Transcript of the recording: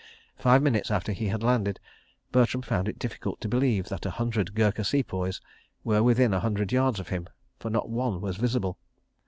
Five minutes after he had landed, Bertram found it difficult to believe that a hundred Gurkha Sepoys were within a hundred yards of him, for not one was visible.